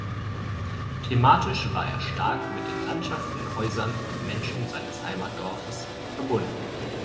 Thematisch war er stark mit den Landschaften, Häusern und Menschen seines Heimatdorfes verbunden.